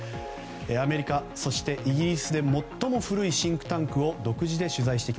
アメリカ、そしてイギリスで最も古いシンクタンクを独自取材。